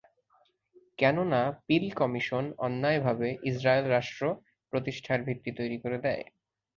কেননা Peel commission অন্যায়ভাবে Israel রাষ্ট্র প্রতিষ্ঠার ভিত্তি তৈরি করে দেয়।